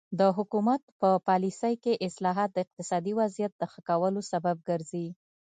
د حکومت په پالیسۍ کې اصلاحات د اقتصادي وضعیت د ښه کولو سبب ګرځي.